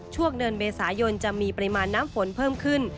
ช่วงเดือนเมษายนจะมีปริมาณน้ำฝนเพิ่มขึ้น